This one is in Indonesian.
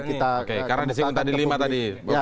karena disinggung tadi lima tadi